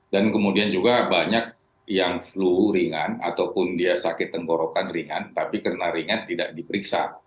dan kemudian juga banyak yang flu ringan ataupun dia sakit tenggorokan ringan tapi karena ringan tidak diperiksa